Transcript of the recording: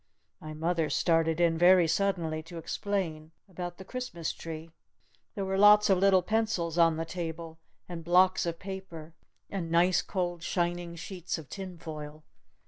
My mother started in very suddenly to explain about the Christmas tree. There were lots of little pencils on the table. And blocks of paper. And nice cold, shining sheets of tin foil.